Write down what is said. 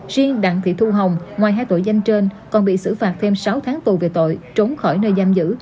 riêng đặng thị thu hồng ngoài hai tội danh trên còn bị xử phạt thêm sáu tháng tù về tội trốn khỏi nơi giam giữ